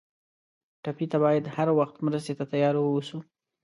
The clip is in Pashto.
ټپي ته باید هر وخت مرستې ته تیار ووسو.